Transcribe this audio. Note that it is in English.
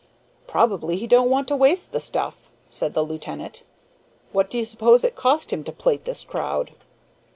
"Probably he don't want to waste the stuff," said the lieutenant. "What do you suppose it cost him to plate this crowd?"